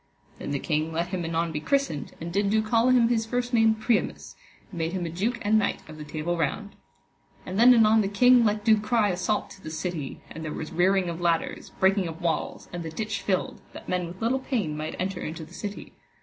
Then the king let him anon be christened, and did do call him his first name Priamus, and made him a duke and knight of the Table Round. And then anon the king let do cry assault to the city, and there was rearing of ladders, breaking of walls, and the ditch filled, that men with little pain might enter into the city.